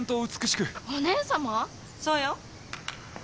そうよ。